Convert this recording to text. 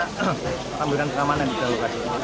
kami juga mengambilkan peramanan di lokasi